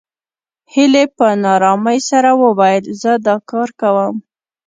هيلې په نا آرامۍ سره وويل زه دا کار کوم